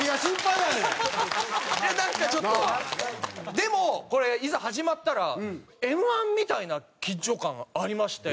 でもこれいざ始まったらＭ−１みたいな緊張感がありまして。